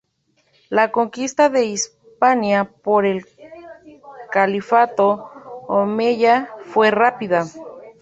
La conquista de Hispania por el Califato Omeya fue rápida.